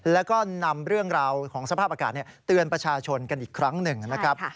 แล้วก็นำเรื่องราวของสภาพอากาศเตือนประชาชนกันอีกครั้งหนึ่งนะครับ